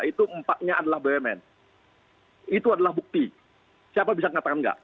itu empatnya adalah bumn itu adalah bukti siapa bisa katakan enggak